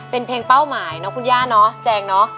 เป็นเพลงเป้าหมายเนอะคุณย่าเนอะ